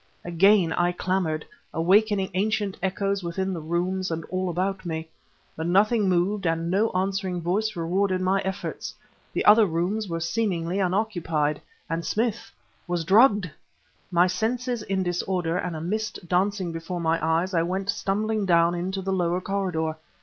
Again I clamored; awaking ancient echoes within the rooms and all about me. But nothing moved and no answering voice rewarded my efforts; the other rooms were seemingly unoccupied, and Smith was drugged! My senses in disorder, and a mist dancing before my eyes, I went stumbling down into the lower corridor.